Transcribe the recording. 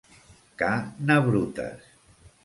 Ca na Brutes.